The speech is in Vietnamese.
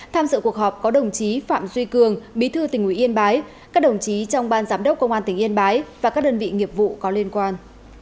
tham dự cuộc họp có đồng chí phạm duy cường bí thư tỉnh ủy yên bái các đồng chí trong ban giám đốc công an tỉnh yên bái và các đơn vị nghiệp vụ có liên quan